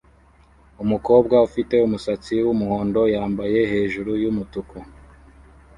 Umukobwa ufite umusatsi wumuhondo yambaye hejuru yumutuku